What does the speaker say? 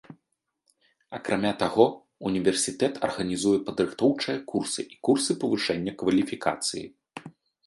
Акрамя таго, універсітэт арганізуе падрыхтоўчыя курсы і курсы павышэння кваліфікацыі.